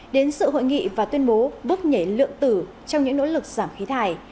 đến sự hội nghị và tuyên bố bước nhảy lượng tử trong những nỗ lực giảm khí thải